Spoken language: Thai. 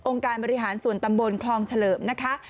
การบริหารส่วนตำบลคลองเฉลิมนะคะ